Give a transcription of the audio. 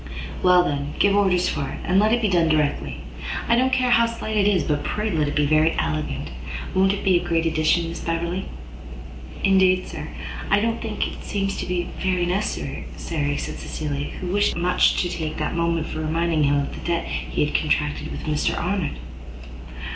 "Well, then, give orders for it, and let it be done directly. I don't care how slight it is, but pray let it be very elegant. Won't it be a great addition, Miss Beverley?" "Indeed, sir, I don't think it seems to be very necessary," said Cecilia, who wished much to take that moment for reminding him of the debt he had contracted with Mr Arnott.